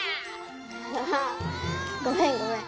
ああごめんごめん。